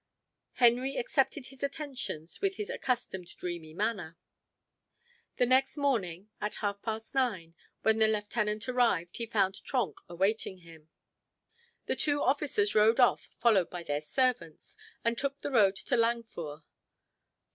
Henry accepted his attentions with his accustomed dreamy manner. The next morning, at half past nine, when the lieutenant arrived, he found Trenck awaiting him. The two officers rode off, followed by their servants, and took the road to Langführ.